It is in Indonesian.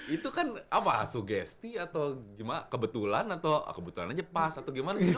itu kan apa sugesti atau kebetulan atau kebetulan aja pas atau gimana sih dok